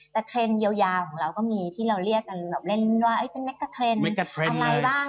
แต่เทรนด์ยาวของเราก็มีที่เราเรียกกันแบบเล่นว่าเป็นแกะเทรนด์อะไรบ้าง